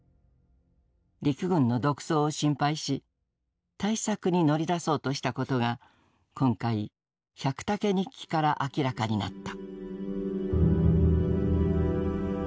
陸軍の独走を心配し対策に乗り出そうとしたことが今回「百武日記」から明らかになった。